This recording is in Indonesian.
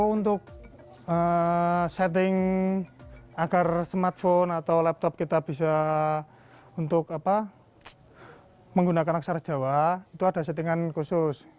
untuk setting agar smartphone atau laptop kita bisa untuk menggunakan aksara jawa itu ada settingan khusus